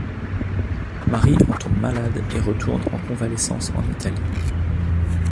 Marie en tombe malade et retourne en convalescence en Italie.